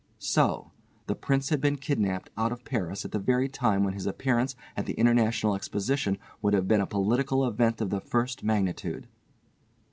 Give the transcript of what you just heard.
So! The Prince had been kidnapped out of Paris at the very time when his appearance at the International Exposition would have been a political event of the first magnitude.